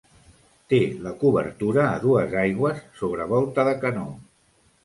Té la cobertura a dues aigües sobre volta de canó.